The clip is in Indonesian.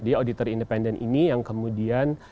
dia auditor independen ini yang kemudian